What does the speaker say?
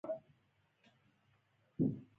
علامه عبدالحي حبیبي یې څېړنه قدر بولي.